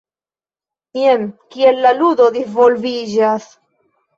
Jen kiel la ludo disvolviĝas.